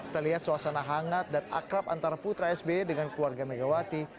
terlihat suasana hangat dan akrab antara putra sby dengan keluarga megawati